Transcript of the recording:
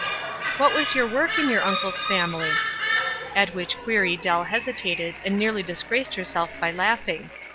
" What was your work in your uncle's family ?" At which query Dell hesitated, and nearly disgraced herself by laughing.